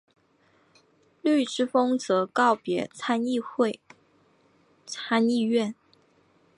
绿之风则告别参议院。